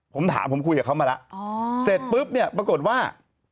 ผมถามผมคุยกับเขามาแล้วเสร็จปุ๊บเนี่ยปรากฏว่า